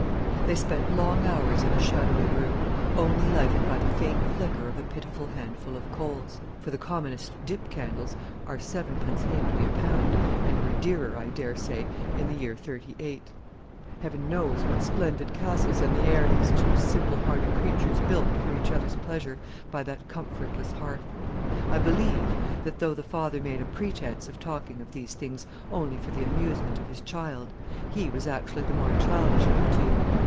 They spent long hours in the shadowy room, only lighted by the faint flicker of a pitiful handful of coals; for the commonest dip candles are sevenpence halfpenny a pound, and were dearer, I dare say, in the year '38. Heaven knows what splendid castles in the air these two simple hearted creatures built for each other's pleasure by that comfortless hearth. I believe that, though the father made a pretence of talking of these things only for the amusement of his child, he was actually the more childish of the two.